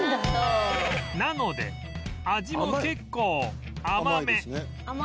なので味も結構甘め